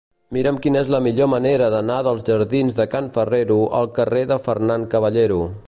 Mira'm quina és la millor manera d'anar dels jardins de Can Ferrero al carrer de Fernán Caballero.